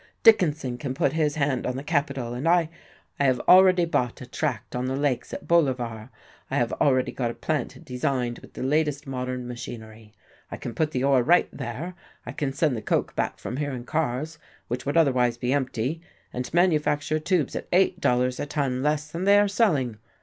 Dickinson can put his hand on the capital, and I I have already bought a tract on the lakes, at Bolivar, I have already got a plant designed with the latest modern machinery. I can put the ore right there, I can send the coke back from here in cars which would otherwise be empty, and manufacture tubes at eight dollars a ton less than they are selling.